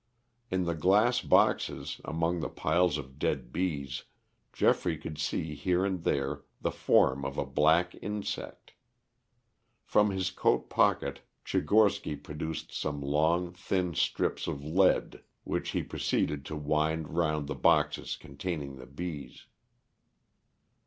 In the glass boxes, among the piles of dead bees, Geoffrey could see here and there the form of a black insect. From his coat pocket Tchigorsky produced some long, thin strips of lead, which he proceeded to wind round the boxes containing the bees.